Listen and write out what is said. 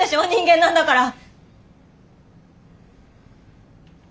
人間なんだから！